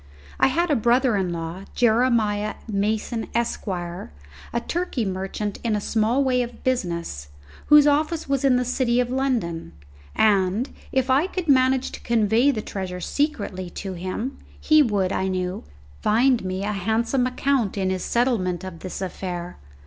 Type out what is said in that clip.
I had a brother in law, Jeremiah Mason, Esq., a Turkey merchant in a small way of business, whose office was in the City of London, and, if I could manage to convey the treasure secretly to him, he would, I knew, find me a handsome account in his settlement of this affair.